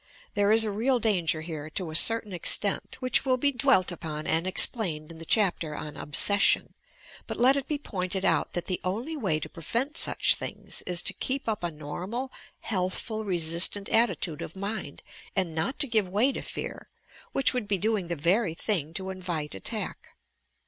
There is a real danger here, to a certain extent, which will be dwelt upon and explained in the chapter on "Obsession." But let it be pointed out that the only way to prevent such things, is to keep up a normal, healthful resistant attitude of mind and not to give way to fear, which would be doing the very thing to invite attack.